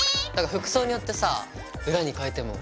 服装によってさ裏に替えても。